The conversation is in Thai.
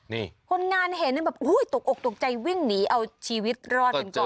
นี่คนงานเห็นแบบอุ้ยตกอกตกใจวิ่งหนีเอาชีวิตรอดกันก่อน